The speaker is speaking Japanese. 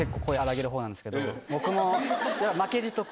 僕も。